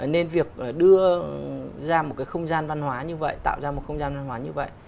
nên việc đưa ra một cái không gian văn hóa như vậy tạo ra một không gian văn hóa như vậy